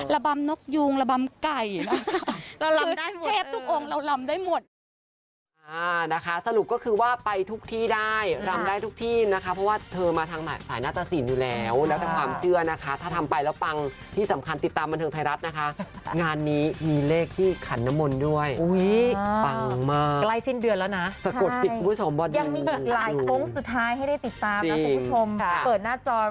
ระบำนกยุงระบำไก่คือเทพทุกองค์เราลำได้หมด